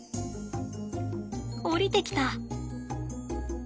降りてきた。